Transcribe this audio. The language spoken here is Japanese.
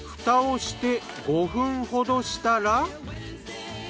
蓋をして５分ほどしたら。